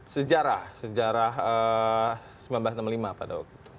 sejarah sejarah seribu sembilan ratus enam puluh lima pada waktu itu